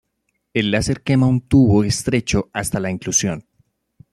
El láser quema un tubo estrecho hasta la inclusión.